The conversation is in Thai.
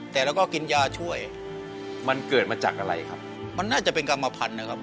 แต่เราก็กินยาช่วยมันเกิดมาจากอะไรครับมันน่าจะเป็นกรรมพันธุ์นะครับ